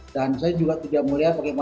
dan saya juga tidak melihat bagaimana